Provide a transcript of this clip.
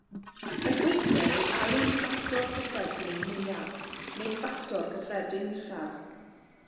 Caiff weithiau ei alw'n ffactor cyffredin mwyaf neu ffactor cyffredin uchaf.